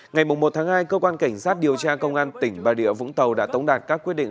ngày một hai cơ quan cảnh sát điều tra công an tỉnh bà địa vũng tàu đã tống đạt các quyết định